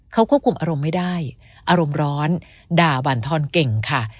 เขาควบคุมอารมณ์ไม่ได้อารมณ์ร้อนด่าบั่นทอนเก่งค่ะ